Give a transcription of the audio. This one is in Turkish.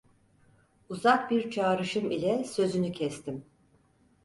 Uzak bir çağrışım ile sözünü kestim: